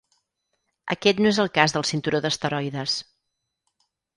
Aquest no és el cas del cinturó d'asteroides.